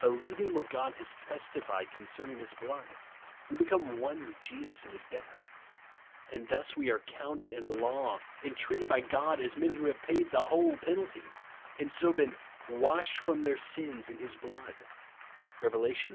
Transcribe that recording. Belie nng THE BLOOD OF SPrLlNKLINO. 5? what God lias testified concerning this blood, we become one with Jesus in his death ; and thus v/e are counted in law, and treated by God, as men who have paid the whole penalty, and so been " washed from their sins in his blood " (Rev. i. 5).